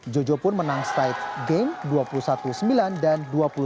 jojo pun menang straight game dua puluh satu sembilan dan dua puluh satu delapan belas